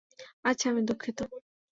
আচ্ছা, আমি দুঃখিত!